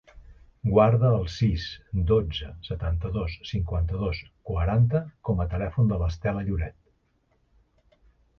Guarda el sis, dotze, setanta-dos, cinquanta-dos, quaranta com a telèfon de l'Estela Lloret.